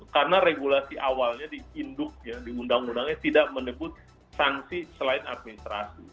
karena regulasi awalnya diunduk di undang undangnya tidak menyebut sangsi selain administrasi